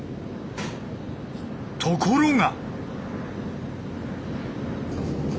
ところが！